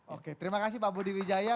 oke terima kasih pak budi wijaya